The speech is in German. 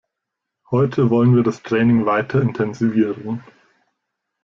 Heute wollen wir das Training weiter intensivieren.